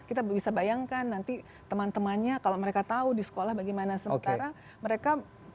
kita bisa bayangkan nanti teman temannya kalau mereka tahu di sekolah bagaimana sementara mereka